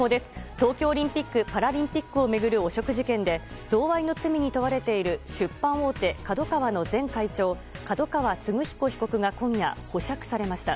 東京オリンピック・パラリンピックを巡る汚職事件で贈賄の罪に問われている出版大手ＫＡＤＯＫＡＷＡの前会長角川歴彦被告が今夜、保釈されました。